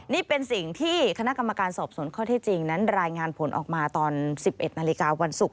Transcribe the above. นี่เป็นสิ่งที่คณะกรรมการสอบสวนข้อที่จริงนั้นรายงานผลออกมาตอน๑๑นาฬิกาวันศุกร์